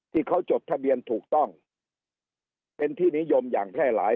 ที่เขาจดทะเบียนถูกต้องเป็นที่นิยมอย่างแพร่หลาย